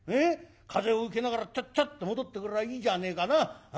風を受けながらチャッチャッと戻ってくりゃいいじゃねえかな。